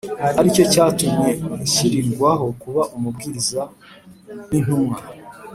ari cyo cyatumye nshyirirwaho kuba umubwiriza n’intumwa